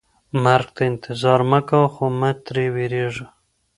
مرګ ته انتظار مه کوه خو مه ترې ویریږه.